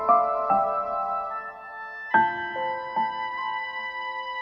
sedangkan kalo dia masih kecil embassy dan bank tersebut juga jatuh air